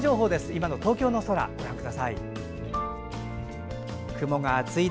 今の東京の空ご覧ください。